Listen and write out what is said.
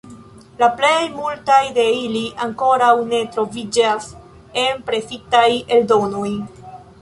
La plej multaj de ili ankoraŭ ne troviĝas en presitaj eldonoj.